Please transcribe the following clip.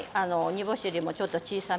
煮干しよりもちょっと小さめの。